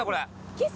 キス？